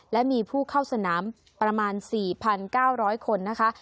และมีผู้เข้าสนามประมาณ๔๙๐๐คนนะคะ